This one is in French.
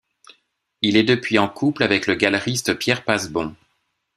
Il est depuis en couple avec le galeriste Pierre Passebon.